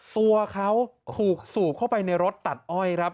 ตัวเขาถูกสูบเข้าไปในรถตัดอ้อยครับ